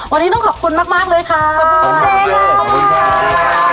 วันนี้ต้องขอบคุณมากเลยค่ะขอบคุณคุณเจค่ะขอบคุณค่ะ